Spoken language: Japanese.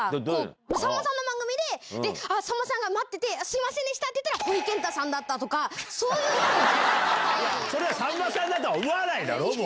さんまさんの番組で、さんまさんが待ってて、すみませんでしたって言ったら、それさんまさんだと思わないだろ、もう。